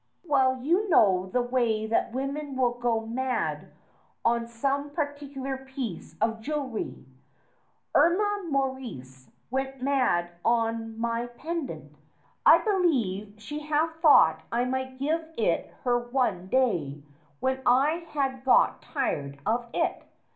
Well, you know the way that women will go mad on some particular piece of jew elry. Irma Morrice went mad on my pendant. I be lieve she half thought I might give it her one day when I had got tired of it.